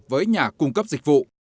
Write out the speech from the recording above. với nhà cung cấp dịch vụ